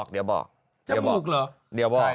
เดี๋ยวบอกเดี๋ยวบอก